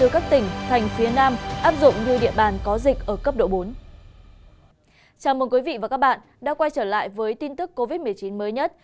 chào mừng quý vị và các bạn đã quay trở lại với tin tức covid một mươi chín mới nhất